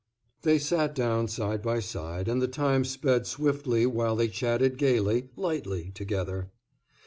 They sat down side by side, and the time sped swiftly while they chatted gaily, lightly together.